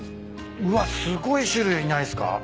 うわすごい種類ないっすか？